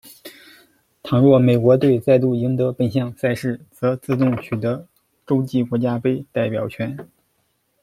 倘若美国队再度赢得本项赛事，则自动取得洲际国家杯代表权。